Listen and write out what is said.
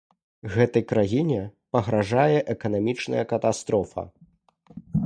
Гэтай краіне пагражае эканамічная катастрофа.